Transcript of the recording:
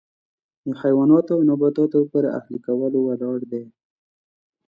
د حیواناتو او نباتاتو پر اهلي کولو ولاړ دی.